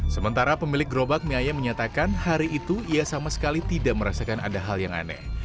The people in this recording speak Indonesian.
sementara pemilik gerobak mie ayam menyatakan hari itu ia sama sekali tidak merasakan ada hal yang aneh